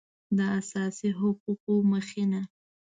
د اساسي حقوقو مخینه